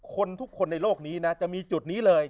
คนทุกคนในโลกนี้นะจะมีจุดนี้เลย